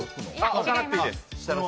置かなくていいです。